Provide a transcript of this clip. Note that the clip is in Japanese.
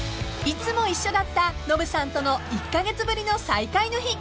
［いつも一緒だったノブさんとの１カ月ぶりの再会の日］